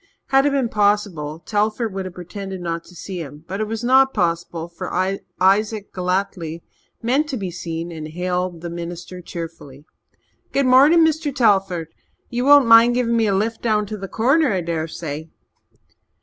Had it been possible Telford would have pretended not to see him, but it was not possible, for Isaac Galletly meant to be seen and hailed the minister cheerfully. "Good mornin', Mr. Telford. Ye won't mind giving me a lift down to the Corner, I dessay?"